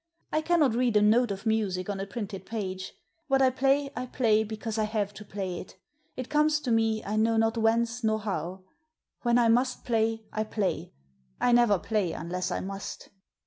I cannot read a note of music on a printed page. What I play I play because I have to play it It comes to me I know not whence nor how. When I must play I play. I never play unless I must."